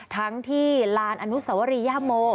ทั้งที่ลานอนุสวรียโม